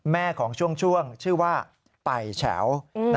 แม่ของช่วงชื่อว่าไปแฉว